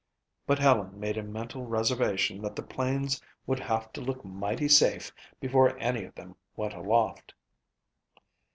But Helen made a mental reservation that the planes would have to look mighty safe before any of them went aloft.